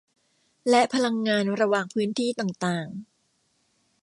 และพลังงานระหว่างพื้นที่ต่างต่าง